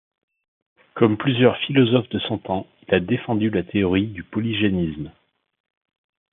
Comme plusieurs philosophes de son temps, il a défendu la théorie du polygénisme.